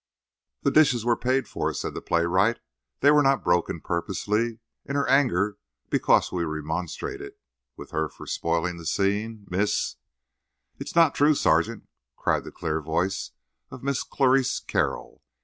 "The dishes were paid for," said the playwright. "They were not broken purposely. In her anger, because we remonstrated with her for spoiling the scene, Miss—" "It's not true, sergeant," cried the clear voice of Miss Clarice Carroll.